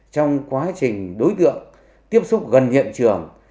trong quá trình đối tượng tiếp xúc gần hiện trường